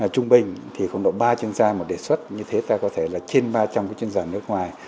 trung bình ba chuyên gia một đề xuất như thế ta có thể là trên ba trăm linh chuyên gia nước ngoài